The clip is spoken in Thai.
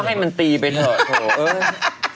ให้มันตีไปเถอะ